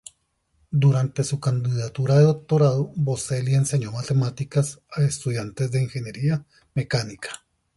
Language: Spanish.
Durante su candidatura de doctorado, Boselli enseñó matemáticas a estudiantes de ingeniería mecánica.